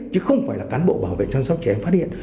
chứ không phải là cán bộ bảo vệ chăm sóc trẻ phát hiện